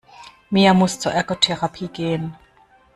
Mia muss zur Ergotherapie gehen.